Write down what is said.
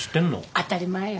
当たり前や。